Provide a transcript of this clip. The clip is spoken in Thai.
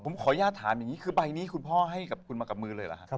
ผมขออนุญาตถามอย่างนี้คือใบนี้คุณพ่อให้กับคุณมากับมือเลยเหรอครับ